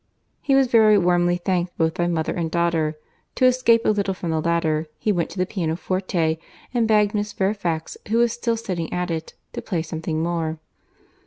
He was very warmly thanked both by mother and daughter; to escape a little from the latter, he went to the pianoforte, and begged Miss Fairfax, who was still sitting at it, to play something more.